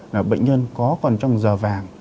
là bệnh nhân có còn trong giờ vàng